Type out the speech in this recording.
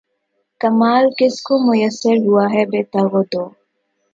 کمال کس کو میسر ہوا ہے بے تگ و دو